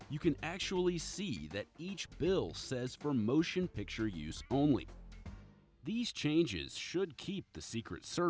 nhưng nó cũng nghĩ rằng chi tiết thông thông thường không tốt cho những chi tiết gần gần